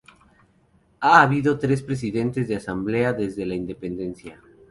Ha habido tres presidentes de la Asamblea desde la independencia.